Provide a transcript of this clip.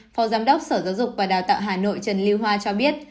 phó giám đốc sở giáo dục và đào tạo hà nội trần lưu hoa cho biết